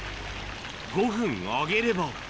５分揚げれば。